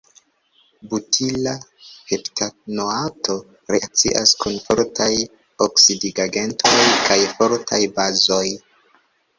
Butila heptanoato reakcias kun fortaj oksidigagentoj kaj fortaj bazoj.